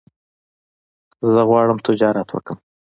زه غواړم تجارت وکړم